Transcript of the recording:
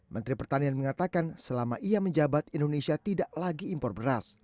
menteri pertanian mengatakan selama ia menjabat indonesia tidak lagi impor beras